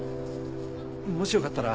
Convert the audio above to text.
もしよかったら。